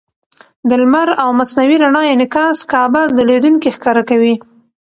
د لمر او مصنوعي رڼا انعکاس کعبه ځلېدونکې ښکاره کوي.